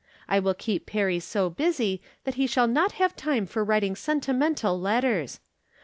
I will keep Perry so busy that he shall not have time for writing sentimental letters..